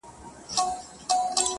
چي په ښكلي وه باغونه د انګورو٫